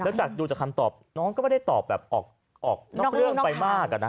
เนื่องจากคำตอบน้องก็ไม่ได้ตอบแบบออกนอกเรื่องไปมาก